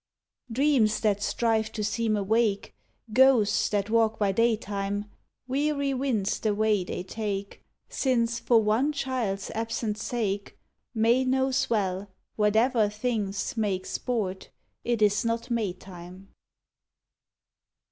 Dreams that strive to seem awake, Ghosts that walk by daytime, Weary winds the way they take, Since, for one child's absent sake, May knows well, whate'er things make Sport, it is not Maytime.